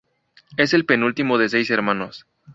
Es el penúltimo de seis hermanos.